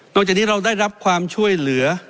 จากนี้เราได้รับความช่วยเหลือ